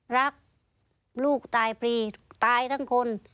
รักลูกตายฟรีตายทั้งคน